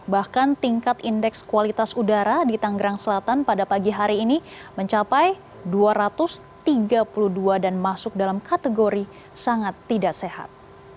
bahkan tingkat indeks kualitas udara di tanggerang selatan pada pagi hari ini mencapai dua ratus tiga puluh dua dan masuk dalam kategori sangat tidak sehat